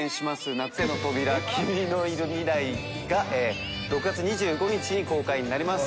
『夏への扉−キミのいる未来へ−』が６月２５日に公開になります。